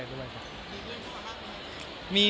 มีคุณภาพไหม